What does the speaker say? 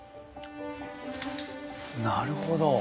なるほど。